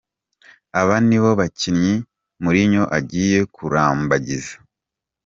Aba nibo bakinnyi Mourinho agiye kurambagiza.